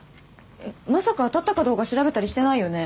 まさか当たったかどうか調べたりしてないよね？